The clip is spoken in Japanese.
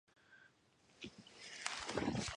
たった二人だけの